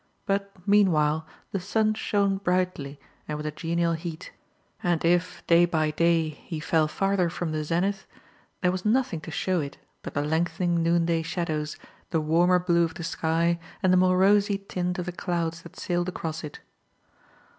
But, meanwhile, the sun shone brightly and with a genial heat, and if, day by day, he fell farther from the zenith, there was nothing to show it but the lengthening noonday shadows, the warmer blue of the sky and the more rosy tint of the clouds that sailed across it.